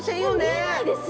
見えないです！